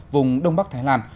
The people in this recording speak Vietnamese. vùng đông bắc thái lan